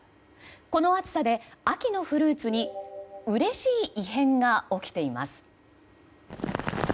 この暑さで秋のフルーツにうれしい異変が起きています。